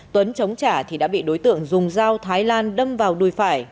tuấn chống trả thì đã bị đối tượng dùng dao thái lan đâm vào đuôi phải